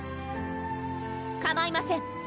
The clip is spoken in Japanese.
かまいません